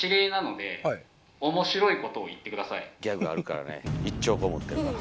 ギャグあるからね１兆個持ってるから。